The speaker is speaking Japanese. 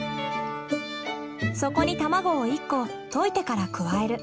そこに卵を１個溶いてから加える。